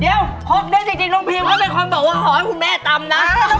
เดี๋ยวคบด้วยจริงจริงโรงพิมทร์ก็เป็นความบอกว่าขอให้คุณแม่ตำน้ำ